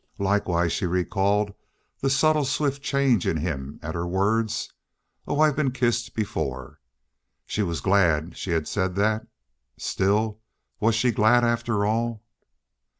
Likewise she recalled the subtle swift change in him at her words, "Oh, I've been kissed before!" She was glad she had said that. Still was she glad, after all?